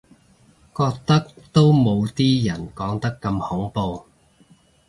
覺得都冇啲人講得咁恐怖